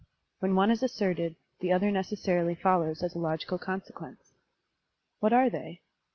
When one is asserted, the other necessarily follows as a logical consequence. What are they?